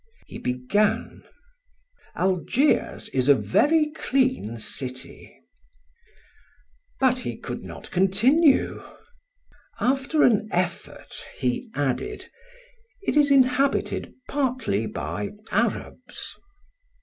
He began: "Algiers is a very clean city " but he could not continue. After an effort he added: "It is inhabited partly by Arabs."